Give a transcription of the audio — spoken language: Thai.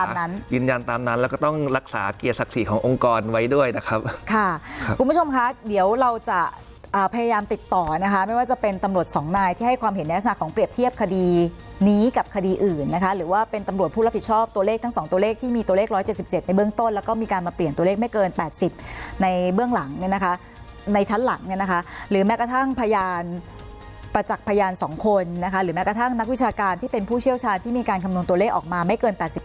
เกียรติศักดิ์ศักดิ์ศรีขององค์กรไว้ด้วยนะครับค่ะคุณผู้ชมค่ะเดี๋ยวเราจะพยายามติดต่อนะคะไม่ว่าจะเป็นตำรวจสองนายที่ให้ความเห็นในลักษณะของเปรียบเทียบคดีนี้กับคดีอื่นนะคะหรือว่าเป็นตำรวจผู้รับผิดชอบตัวเลขทั้ง๒ตัวเลขที่มีตัวเลข๑๗๗ในเบื้องต้นแล้วก็มีการมาเปลี่ยนตัวเลขไม